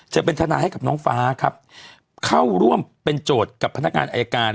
จะเป็นทนายให้กับน้องฟ้าครับเข้าร่วมเป็นโจทย์กับพนักงานอายการ